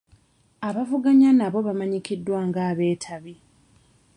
Abavuganya nabo bamanyikiddwa nga abeetabi.